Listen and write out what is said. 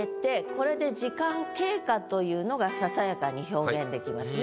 これでというのがささやかに表現できますね。